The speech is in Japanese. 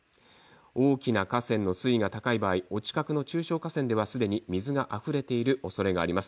大きな河川の水位が高い場合お近くの中小河川ではすでに水があふれているおそれがあります。